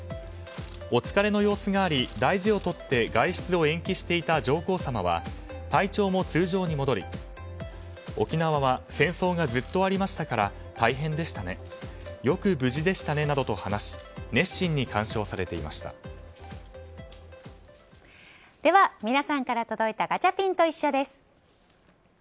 お疲れの様子があり大事を取って外出を延期していた上皇さまは体調も通常に戻り、沖縄は戦争がずっとありましたから大変でしたねよく無事でしたねなどと話しでは皆さんから届いたガチャピンといっしょ！です。